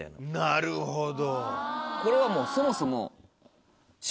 なるほど。